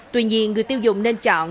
tuy nhiên người tiêu dùng nên chọn